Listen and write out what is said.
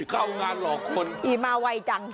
เข้างานหลอกคนอีมาไวจัง